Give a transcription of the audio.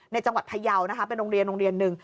ในจังหวัดพะเยานะครับเป็นโรงเรียนหนึ่ง